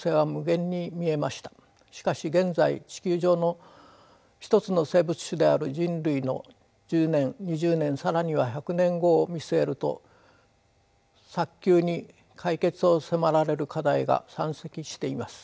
しかし現在地球上の一つの生物種である人類の１０年２０年更には１００年後を見据えると早急に解決を迫られる課題が山積しています。